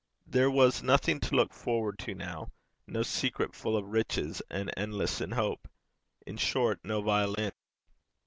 There was nothing to look forward to now, no secret full of riches and endless in hope in short, no violin.